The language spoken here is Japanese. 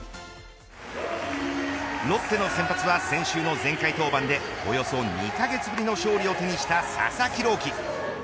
ロッテの先発は先週の前回登板でおよそ２カ月ぶりの勝利を手にした佐々木朗希。